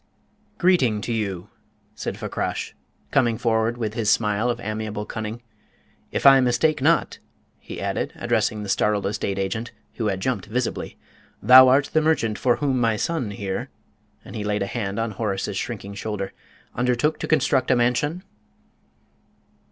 "Greeting to you," said Fakrash, coming forward with his smile of amiable cunning. "If I mistake not," he added, addressing the startled estate agent, who had jumped visibly, "thou art the merchant for whom my son here," and he laid a hand on Horace's shrinking shoulder, "undertook to construct a mansion?"